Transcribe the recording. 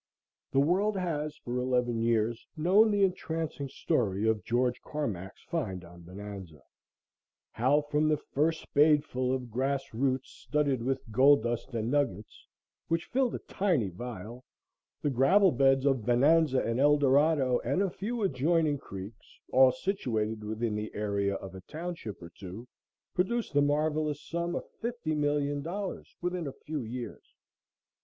The world has for eleven years known the entrancing story of George Carmack's find on Bonanza how, from the first spadeful of grass roots, studded with gold dust and nuggets, which filled a tiny vial, the gravel beds of Bonanza and Eldorado and a few adjoining creeks, all situated within the area of a township or two, produced the marvelous sum of $50,000,000 within a few years.